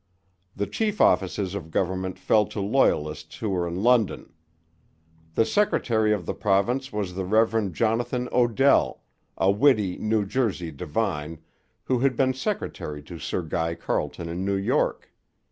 The chief offices of government fell to Loyalists who were in London. The secretary of the province was the Rev. Jonathan Odell, a witty New Jersey divine, who had been secretary to Sir Guy Carleton in New York.